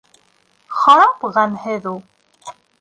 — Харап ғәмһеҙ ул.